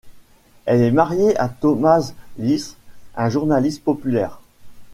Elle est mariée à Tomasz Lis, un journaliste populaire.